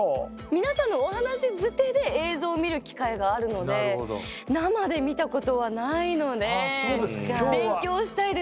皆さんのお話づてで映像を見る機会があるので生で見たことはないので勉強したいです。